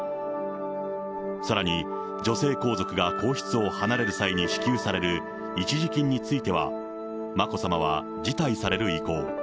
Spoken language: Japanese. さらに、女性皇族が皇室を離れる際に支給される一時金については、眞子さまは辞退される意向。